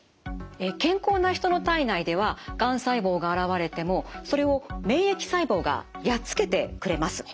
健康な人の体内ではがん細胞が現れてもそれを免疫細胞がやっつけてくれます。